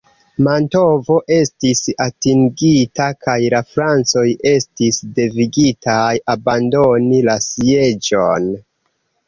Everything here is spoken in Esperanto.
Mantovo estis atingita kaj la Francoj estis devigitaj abandoni la sieĝon.